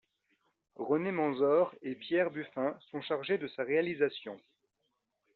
René Manzor et Pierre Buffin sont chargés de sa réalisation.